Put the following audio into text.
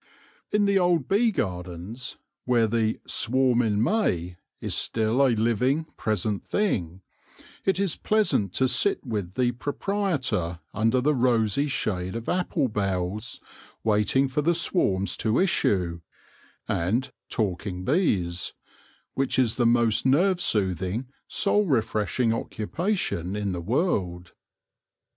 In he old bee gardens, where the " swarm in May ( is still a living, present thing, it is pleasant to sit with tin proprietor under the rosy shade of apple boughs waiting for the swarms to issue, and " talking bees/' wlich is the most nerve soothing, soul refresh ing occupation in the world.